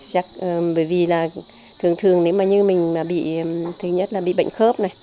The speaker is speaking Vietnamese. chắc bởi vì là thường thường nếu mà như mình bị thứ nhất là bị bệnh khớp này